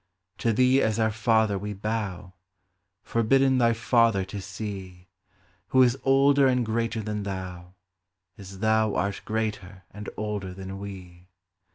To thee as our Father we bow, Forbidden thy Father to see, Who is older and greater than thou, as thou Art greater and older than we.